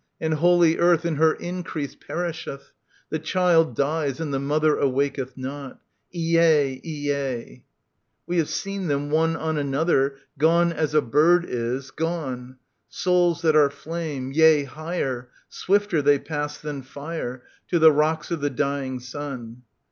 And Holy Earth in her increase perisheth : The child dies and the mother awaketh not. 1 t I 1 6 ! We have seen them, one on another, gone as a bird is gone. Souls that are flame ; yea, higher, Swifter they pass than fire. To the rocks of the dying Sun.